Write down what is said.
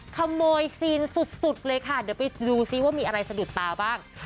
ขโมยซีนสุดเลยค่ะเดี๋ยวไปดูซิว่ามีอะไรสะดุดตาบ้าง